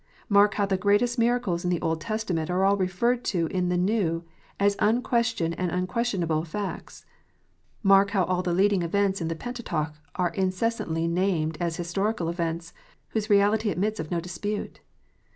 Mark how the greatest miracles in the Old Testament are all referred to in the New, as unquestioned and unquestionable facts. Mark how all the leading events in the Pentateuch are incessantly named as historical events, whose reality admits of no dispute.